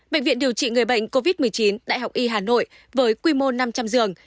bệnh viện điều trị người bệnh covid một mươi chín đại học y hà nội với quy mô năm trăm linh giường